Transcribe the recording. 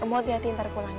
kamu hati hati ntar pulang ya